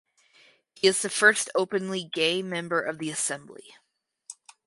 He is the first openly gay member of the Assembly.